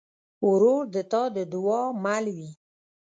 ورور د تا د دعا مل وي.